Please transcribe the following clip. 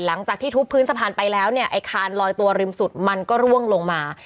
หลังจากที่ทุบพื้นสะพานไปแล้วเนี่ยไอ้คานลอยตัวริมสุดมันก็ร่วงลงมา